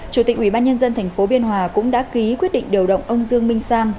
chủ tịch ubnd tp biên hòa cũng đã ký quyết định điều động ông dương minh sang